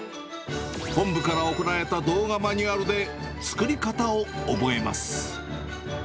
本部から送られた動画マニュアルで作り方を覚えます。